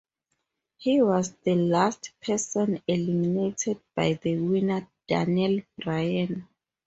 He was the last person eliminated by the winner Daniel Bryan.